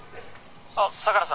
あっ相良さん